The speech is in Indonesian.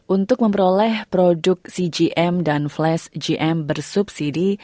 untuk memperoleh produk cgm dan flash gm bersubsidi